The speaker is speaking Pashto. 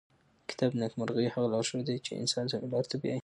کتاب د نېکمرغۍ هغه لارښود دی چې انسان سمې لارې ته بیايي.